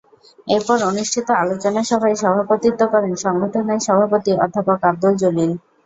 এরপর অনুষ্ঠিত আলোচনা সভায় সভাপতিত্ব করেন সংগঠনের সভাপতি অধ্যাপক আবদুল জলিল।